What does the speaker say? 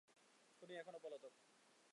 খুনি এখনও পলাতক।